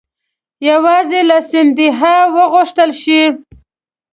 یوازې له سیندهیا وغوښتل شي.